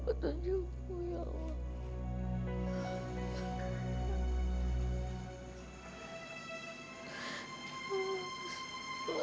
budi osana nyembuh ya allah